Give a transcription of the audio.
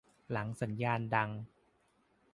หลังสัญญาณดัง